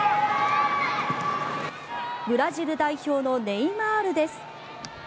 ブラジル代表のネイマールです。